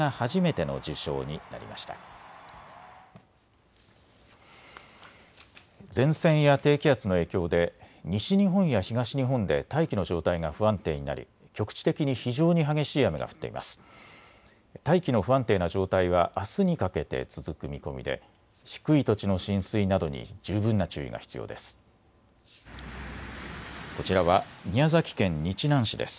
大気の不安定な状態はあすにかけて続く見込みで低い土地の浸水などに十分な注意が必要です。